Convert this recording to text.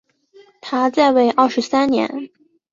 他在位二十三年。